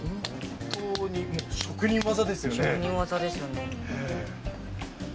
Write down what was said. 職人技ですよね。